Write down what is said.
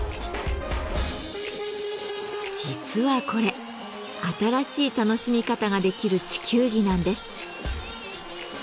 実はこれ新しい楽しみ方ができる地球儀なんです。